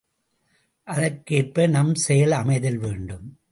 அதற்கேற்ப நம் செயல் அமைதல் வேண்டும்.